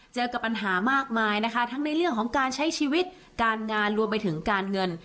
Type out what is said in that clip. เจอกับปัญหามากมายนะคะทั้งในเรื่องของการใช้ชีวิตการงานรวมไปถึงการเงิน